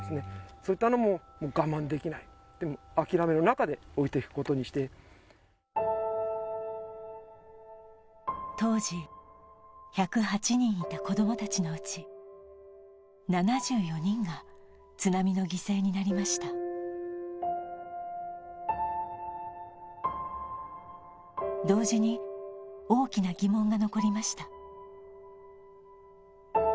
そういったのも我慢できないでも諦めの中で置いていくことにして当時１０８人いた子供達のうち７４人が津波の犠牲になりました同時に大きな疑問が残りました